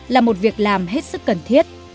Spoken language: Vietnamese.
là một việc làm hết sức cần thiết